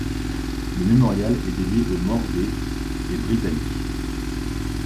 Le mémorial est dédié aux morts des et britanniques.